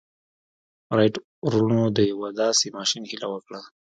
رایټ وروڼو د یوه داسې ماشين هیله وکړه